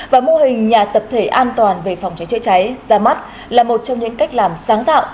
và mô hình nhà tập thể an toàn về phòng cháy chữa cháy ra mắt là một trong những cách làm sáng tạo